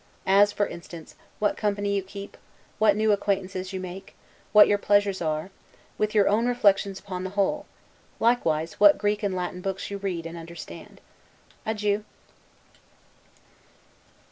As, for instance, what company you keep, what new acquaintances you make, what your pleasures are; with your own reflections upon the whole: likewise what Greek and Latin books you read and understand. Adieu!